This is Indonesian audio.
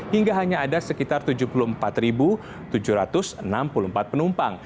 hingga hanya ada sekitar tujuh puluh empat tujuh ratus enam puluh empat penumpang